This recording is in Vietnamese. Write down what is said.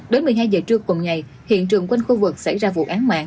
đến một mươi hai giờ trưa cùng ngày hiện trường quanh khu vực xảy ra vụ án mạng